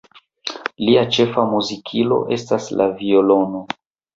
Lia ĉefa muzikilo estis la violono.